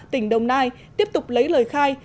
tỉnh đồng nai tiếp tục lấy lời khai